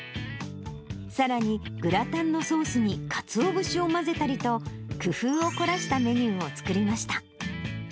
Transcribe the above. さらにグラタンのソースにかつお節を混ぜたりと、工夫を凝らしたメニューを作りました。